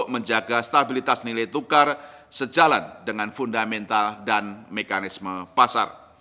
dan menjaga stabilitas nilai tukar sejalan dengan fundamental dan mekanisme pasar